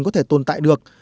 có thể tồn tại được